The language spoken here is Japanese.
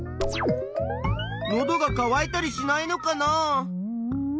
のどがかわいたりしないのかな？